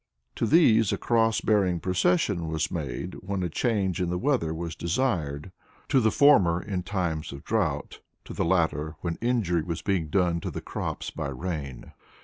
To these a cross bearing procession was made when a change in the weather was desired: to the former in times of drought, to the latter when injury was being done to the crops by rain.